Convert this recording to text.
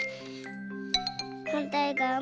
はんたいがわも。